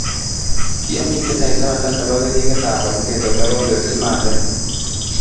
kiomiten eng taban nebo keringet ab ainet ole kokerchi mambet